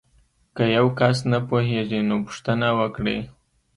که یو کس نه پوهیږي نو پوښتنه وکړئ.